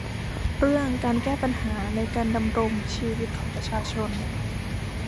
เรื่องการแก้ไขปัญหาในการดำรงชีวิตของประชาชน